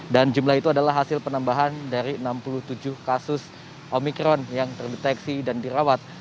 dan jumlah itu adalah hasil penambahan dari enam puluh tujuh kasus omikron yang terdeteksi dan dirawat